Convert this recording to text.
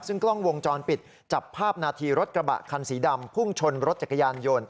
ซึ่งกล้องวงจรปิดจับภาพนาทีรถกระบะคันสีดำพุ่งชนรถจักรยานยนต์